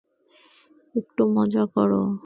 একটু মজা করো।